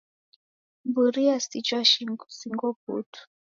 Mburi yasichwa singo putu